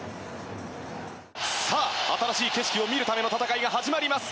さあ、新しい景色を見るための戦いが始まります。